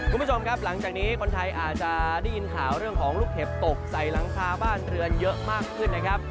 คุณผู้ชมครับหลังจากนี้คนไทยอาจจะได้ยินข่าวเรื่องของลูกเห็บตกใส่หลังคาบ้านเรือนเยอะมากขึ้นนะครับ